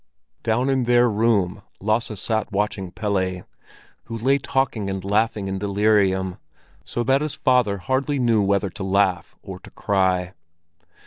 Down in their room, Lasse sat watching Pelle, who lay talking and laughing in delirium, so that his father hardly knew whether to laugh or to cry.